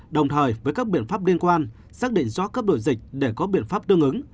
đồng thời với các biện pháp liên quan xác định rõ cấp đổi dịch để có biện pháp tương ứng